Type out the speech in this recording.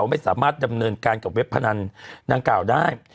ไม่สามารถดำเนินการกับเว็บพนันดังกล่าวได้